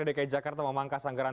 ya dpr dki jakarta memangkas anggaran